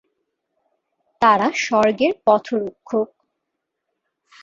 তারা স্বর্গের পথরক্ষক।